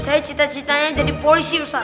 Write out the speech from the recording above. saya cita citanya jadi polisi usaha